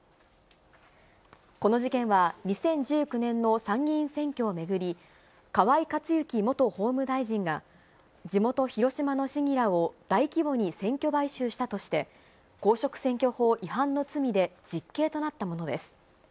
この事件は２０１９年の参議院選挙を巡り、河井克行元法務大臣が、地元広島の市議らを大規模に選挙買収したとして、公職選挙法違反の罪で実刑となったものです。